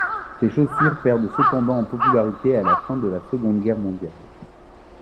Ces chaussures perdent cependant en popularité à la fin de la Seconde Guerre mondiale.